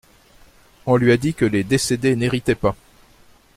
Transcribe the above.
On lui a dit que les décédés n’héritaient pas.